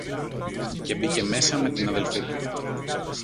και μπήκε μέσα με την αδελφή του.